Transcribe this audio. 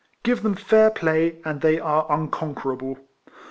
Give them fair play, and they are unconquerable.